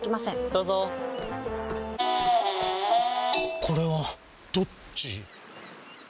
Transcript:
どうぞこれはどっち？